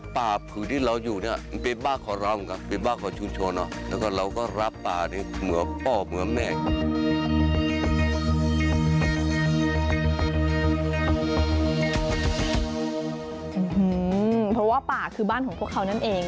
เพราะว่าป่าคือบ้านของพวกเขานั่นเอง